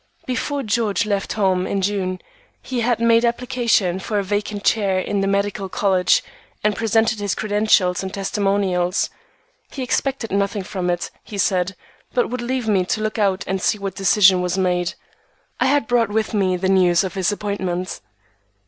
Before George left home in June he had made application for a vacant chair in the Medical College and presented his credentials and testimonials. He expected nothing from it, he said, but would leave me to look out and see what decision was made. I had brought with me the news of his appointment.